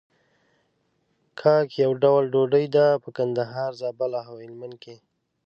کاک يو ډول ډوډۍ ده په کندهار، زابل او هلمند کې.